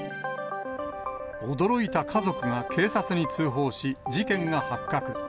驚いた家族が警察に通報し、事件が発覚。